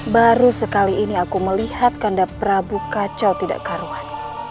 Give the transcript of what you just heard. baru sekali ini aku melihat kandap prabu kacau tidak karuan